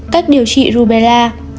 cách điều trị rubella